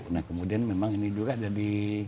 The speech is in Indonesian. nah kemudian memang ini juga jadi